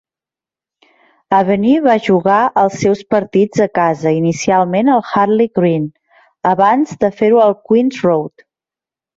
Avenue va jugar els seus partits a casa inicialment al Hadley Green abans de fer-ho al Queens Road.